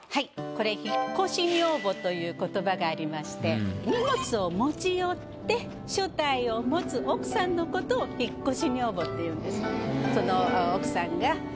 これ「引越し女房」という言葉がありまして荷物を持ち寄って所帯を持つ奥さんのことを「引越し女房」っていうんです。